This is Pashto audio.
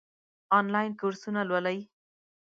آنلاین کورسونه لولئ؟